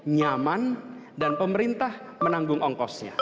nyaman dan pemerintah menanggung ongkosnya